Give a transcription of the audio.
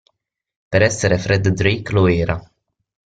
Per essere Fred Drake lo era!